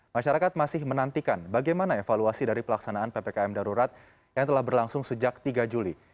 masyarakat masih menantikan bagaimana evaluasi dari pelaksanaan ppkm darurat yang telah berlangsung sejak tiga juli